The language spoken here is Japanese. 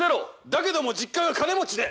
「だけども実家が金持ちで」